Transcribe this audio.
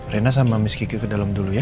reina sama miss kiki ke dalam dulu ya